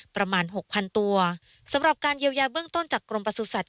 หกพันตัวสำหรับการเยียวยาเบื้องต้นจากกรมประสุทธิ